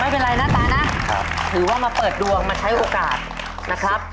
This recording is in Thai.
ไม่เป็นไรหน้าตานะถือว่ามาเปิดดวงมาใช้โอกาสนะครับ